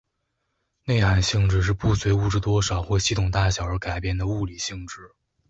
内含性质是不随物质多少或系统大小而改变的物理性质。